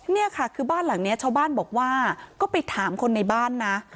นี่ค่ะคือบ้านหลังนี้ชาวบ้านบอกว่าก็ไปถามคนในบ้านนะ